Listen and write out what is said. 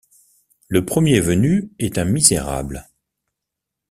Le premier venu est un misérable.